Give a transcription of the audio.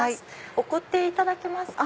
送っていただけますか？